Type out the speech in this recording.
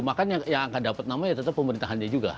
makanya yang akan dapat namanya tetap pemerintahannya juga